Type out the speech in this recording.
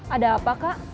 ada apa kak